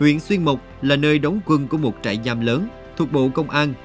huyện xuyên mộc là nơi đóng quân của một trại giam lớn thuộc bộ công an